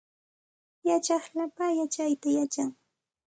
Yachaq lapa yachaytam yachan